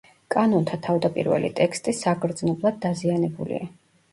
კანონთა თავდაპირველი ტექსტი საგრძნობლად დაზიანებულია.